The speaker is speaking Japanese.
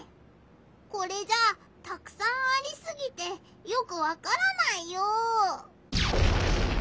これじゃたくさんありすぎてよくわからないよ！